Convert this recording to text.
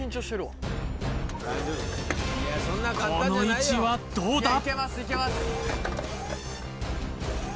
この位置はどうだ？